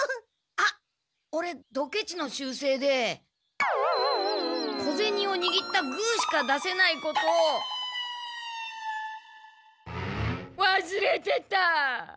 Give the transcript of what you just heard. あっオレドケチの習せいで小ゼニをにぎったグーしか出せないことわすれてた！